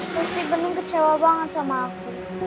pasti bener kecewa banget sama aku